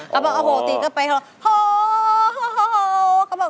ก็บอกโอ้โฮตีนก็ไปเขาก็โฮ